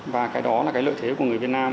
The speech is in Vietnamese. và cái đó là cái lợi thế của người việt nam